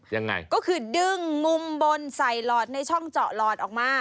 ยังไงก็คือดึงมุมบนใส่หลอดในช่องเจาะหลอดออกมา